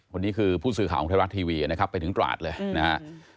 วันนี้คือผู้สื่อข่าวของไทยรัฐทีวีนะครับไปถึงตราดเลยนะฮะ